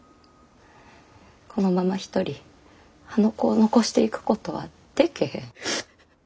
このまま一人あの子を残していくことはでけへん。